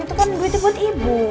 itu kan duitnya buat ibu